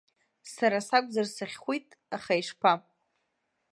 Сара сакәзар сахьхәит, аха ишԥа.